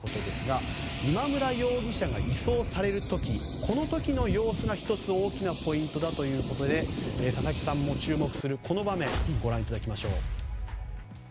今村容疑者が移送される時の様子が１つ大きなポイントだということで佐々木さんも注目する場面をご覧いただきましょう。